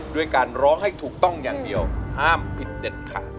ด้วยการร้องให้ถูกต้องอย่างเดียวห้ามผิดเด็ดขาด